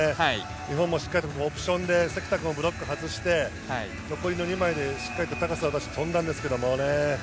日本もしっかりオプションで関田君をブロック外して、残りの２枚でしっかり高さを出して跳んだんですけれどもね。